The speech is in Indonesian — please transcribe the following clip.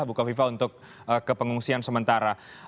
buka viva untuk kepengungsian sementara